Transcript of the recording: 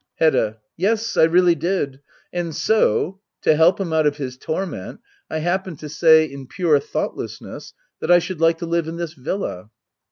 H'm Hedda. Yes, I really did. And so — ^to help him out of his torment — I happened to say, in pure thought lessness, that I should like to live in this villa.